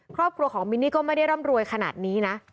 ครอบครัวของมินนี่ก็ไม่ได้ร่ำรวยขนาดนี้นะ